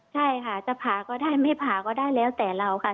ใช่ค่ะจะผ่าก็ได้ไม่ผ่าก็ได้แล้วแต่เราค่ะ